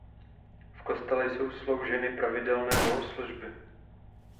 V kostele jsou slouženy pravidelné bohoslužby.